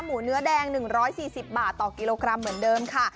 เนื้อแดง๑๔๐บาทต่อกิโลกรัมเหมือนเดิมค่ะ